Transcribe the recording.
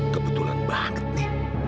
kebetulan banget nih